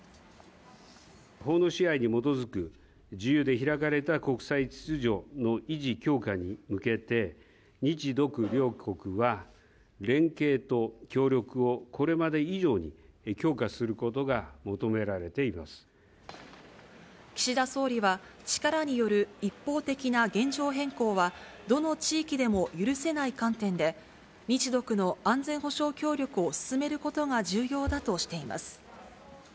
法の支配に基づく自由で開かれた国際秩序の維持・強化に向けて、日独両国は連携と協力をこれまで以上に強化することが求められて岸田総理は、力による一方的な現状変更はどの地域でも許せない観点で、日独の安全保障協力を進めることが重要だとしています。